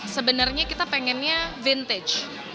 sebenarnya kita pengennya vintage